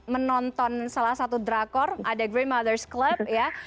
menonton salah satu drakor ada green mothers club ya